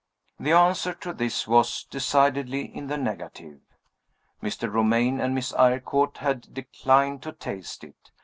The answer to this was decidedly in the negative. Mr. Romayne and Miss Eyrecourt had declined to taste it.